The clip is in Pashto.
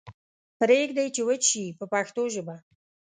پریږدئ چې وچ شي په پښتو ژبه.